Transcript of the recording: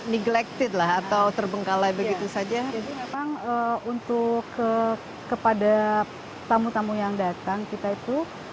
neglected lah atau terbengkalai begitu saja memang untuk kepada tamu tamu yang datang kita itu